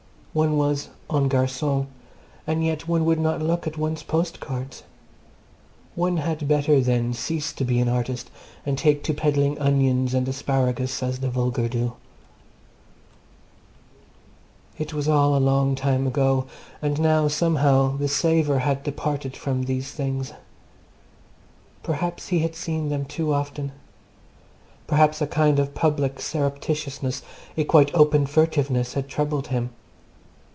One was en garçon, and yet one would not look at one's postcards! One had better then cease to be an artist and take to peddling onions and asparagus as the vulgar do. It was all a long time ago, and now, somehow, the savour had departed from these things. Perhaps he had seen them too often. Perhaps a kind of public surreptitiousness, a quite open furtiveness, had troubled him.